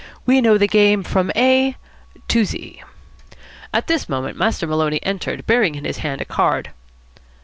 We know the game from A to Z." At this moment Master Maloney entered, bearing in his hand a card.